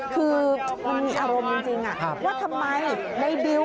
คือมันมีอารมณ์จริงว่าทำไมในบิว